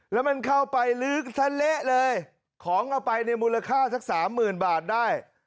แล้วมันเข้าไปลึกซะเละเลยของเอาไปในมูลค่าสักสามหมื่นบาทได้